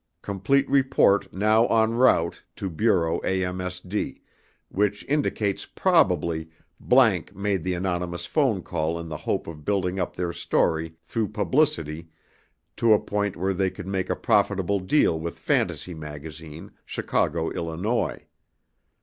COMPLETE REPORT NOW EN ROUTE TO BUREAU AMSD, WHICH INDICATES PROBABLY ____ MADE THE ANONYMOUS PHONE CALL IN THE HOPE OF BUILDING UP THEIR STORY THROUGH PUBLICITY TO A POINT WHERE THEY COULD MAKE A PROFITABLE DEAL WITH FANTASY MAGAZINE, CHICAGO ILLINOIS.